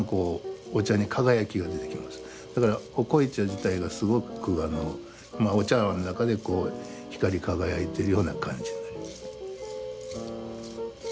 だからお濃茶自体がすごくお茶わんの中で光り輝いてるような感じになります。